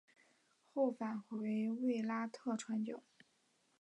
后返回卫拉特传教。